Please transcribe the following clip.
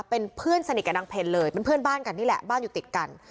เป็นเพื่อนสนิทกับนางเพลเลยเป็นเพื่อนบ้านกันนี่แหละบ้านอยู่ติดกัน